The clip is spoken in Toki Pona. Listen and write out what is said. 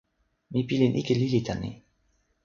mi pilin ike lili tan ni.